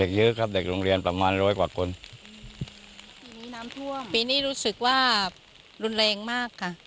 เด็กเด็กเยอะครับเด็กโรงเรียนประมาณร้อยกว่าคนปีนี้รู้สึกว่ารุนแรงมากค่ะ